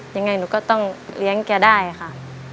ยังไงหนูก็ต้องเลี้ยงแกได้ค่ะ